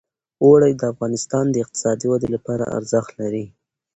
اوړي د افغانستان د اقتصادي ودې لپاره ارزښت لري.